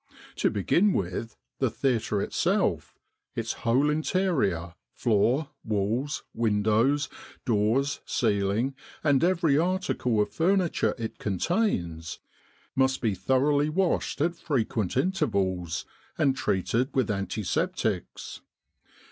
To begin with, the theatre itself its whole interior, floor, walls, windows, doors, ceiling, and every article of furniture it contains must be thoroughly washed at frequent intervals, and treated with antiseptics.